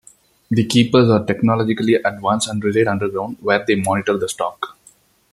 The Keepers are technologically advanced and reside underground, where they monitor the Stock.